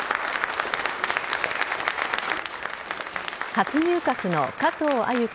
初入閣の加藤鮎子